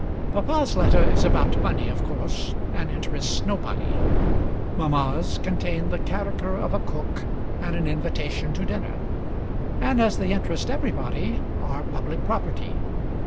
Papa's letter is about money of course, and interests nobody. Mamma's contain the character of a cook and an invitation to dinner, and as they interest everybody, are public property.